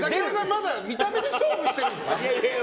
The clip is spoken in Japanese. まだ見た目で勝負してるんですか。